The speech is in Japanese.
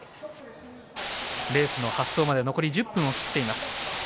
レースの発走まで残り１０分を切っています。